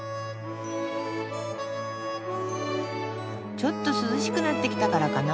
ちょっと涼しくなってきたからかな。